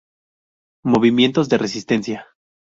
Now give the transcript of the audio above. Movimientos de resistencia